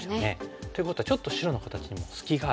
ということはちょっと白の形にも隙がある。